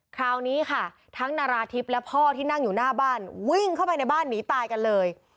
คราวนี้ค่ะทั้งนาราธิบและพ่อที่นั่งอยู่หน้าบ้านวิ่งเข้าไปในบ้านหนีตายกันเลย